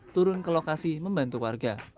turun ke lokasi membantu warga